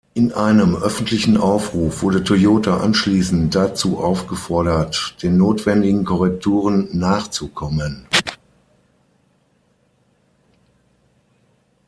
In einem öffentlichen Aufruf wurde Toyota anschließend dazu aufgefordert den notwendigen Korrekturen nachzukommen.